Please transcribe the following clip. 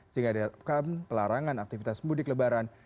sehingga diharapkan pelarangan aktivitas mudik lebaran